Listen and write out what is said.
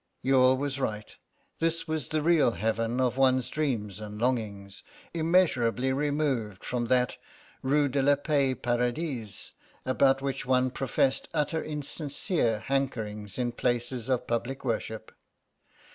Youghal was right; this was the real Heaven of one's dreams and longings, immeasurably removed from that Rue de la Paix Paradise about which one professed utterly insincere hankerings in places of public worship.